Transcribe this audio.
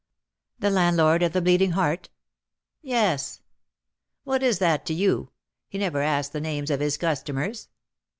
"The landlord of the Bleeding Heart?" "Yes." "What is that to you? He never asks the names of his customers."